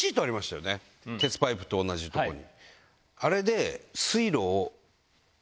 鉄パイプと同じとこに。